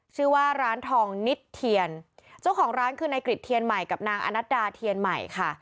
ชื่อว่าร้านทองนิดเทียนเจ้าของร้านคือนายกริจเทียนใหม่กับนางอนัดดาเทียนใหม่ค่ะ